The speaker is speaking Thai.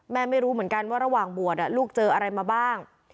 ไม่รู้เหมือนกันว่าระหว่างบวชลูกเจออะไรมาบ้าง